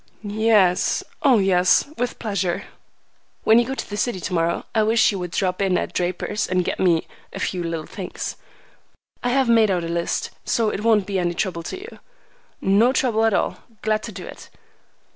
"Y e s, oh yes. With pleasure." "When you go to the city to morrow, I wish you would drop in at Draper's and get me a few little things. I have made out a list, so it won't be any trouble to you." "No trouble at all. Glad to do it."